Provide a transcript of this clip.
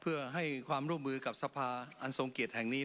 เพื่อให้ความร่วมมือกับสภาอันทรงเกียรติแห่งนี้